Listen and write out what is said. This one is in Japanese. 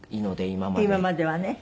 今まではね。